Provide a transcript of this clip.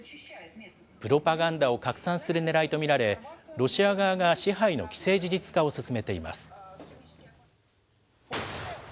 プロパガンダを拡散するねらいと見られ、ロシア側が支配の既成事実化を進めています。